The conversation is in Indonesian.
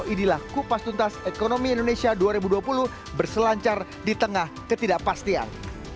inilah kupas tuntas ekonomi indonesia dua ribu dua puluh berselancar di tengah ketidakpastian